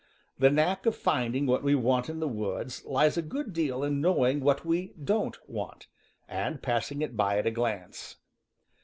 The knack of finding what we want in the woods lies a good deal in knowing what we don't want, and passing it by at a glance.